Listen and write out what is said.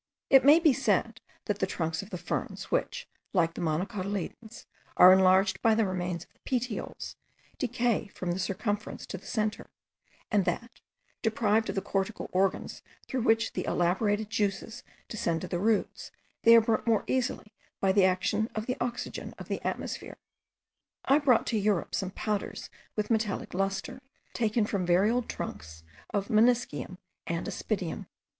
It may be said that the trunks of the ferns, which, like the monocotyledons, are enlarged by the remains of the petioles, decay from the circumference to the centre; and that, deprived of the cortical organs through which the elaborated juices descend to the roots, they are burnt more easily by the action of the oxygen of the atmosphere. I brought to Europe some powders with metallic lustre, taken from very old trunks of Meniscium and Aspidium.